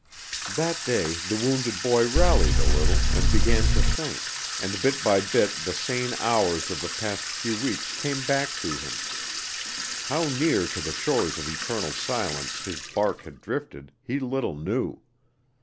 That day the wounded boy rallied a little and began to think, and bit by bit the sane hours of the past few weeks came back to him. How near to the shores of eternal silence his bark had drifted, he little knew!